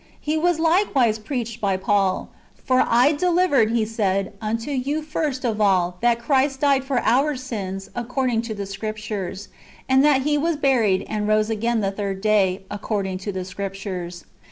"^ He was likewise preached by Paul ;^' For I delivered/' he says, " unto you first of all, that Christ died for our sins, according to the Scriptures ; and that He was buried, and rose again the third day, according to the Scriptures."""